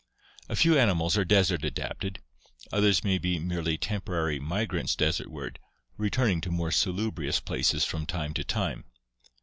A few animals are desert adapted, others may be merely temporary migrants desertward, returning to more salubrious places from time to time.